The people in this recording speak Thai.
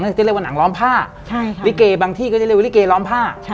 จะเรียกว่าหนังล้อมผ้าลิเกบางที่ก็จะเรียกว่าลิเกล้อมผ้า